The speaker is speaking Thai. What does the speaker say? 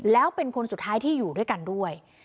แล้วเป็นคนสุดท้ายที่อยู่ด้วยกันด้วย